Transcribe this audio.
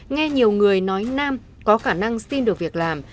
nghe nhiều người nói nam có khả năng xin được việc làm